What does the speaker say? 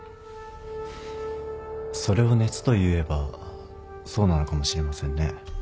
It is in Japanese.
それを熱といえばそうなのかもしれませんね。